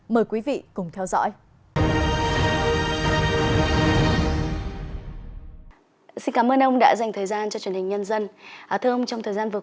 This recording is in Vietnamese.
mời quý vị cùng theo dõi